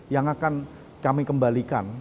yang akan kami kembalikan